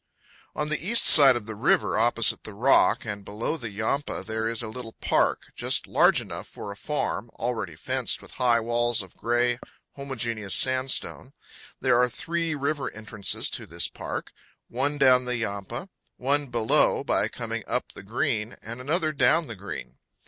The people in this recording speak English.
On the east side of the river, opposite the rock and below the Yampa, there is a little park, just large enough for a farm, already fenced with high walls of gray homogeneous sandstone. There are three river entrances to this park: one down the Yampa; one below, by coming up the Green; and another down the Green.